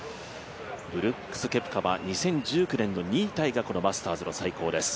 ブルックス・ケプカは２０１９年の２位タイがマスターズの最高です。